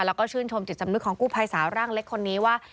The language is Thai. แล้วก็ชื่นชมจิตสำนึกของกู้ภัยสาวร่างเล็กคนนี้ว่า